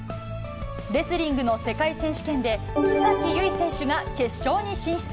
レスリングの世界選手権で、須崎優衣選手が決勝に進出。